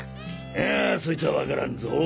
いやそいつは分からんぞ。